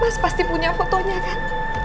mas pasti punya fotonya kan